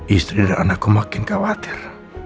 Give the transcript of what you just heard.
istri dan anakku makin khawatir